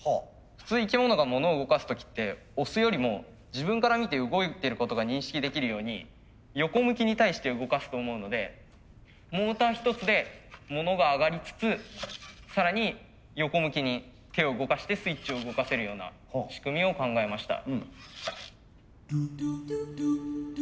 普通生き物がものを動かす時って押すよりも自分から見て動いてることが認識できるように横向きに対して動かすと思うのでモーター一つでものが上がりつつ更に横向きに手を動かしてスイッチを動かせるような仕組みを考えました。